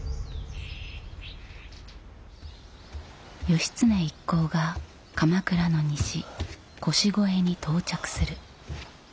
義経一行が鎌倉の西腰越に到着する。